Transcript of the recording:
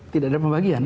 tidak ada pembagian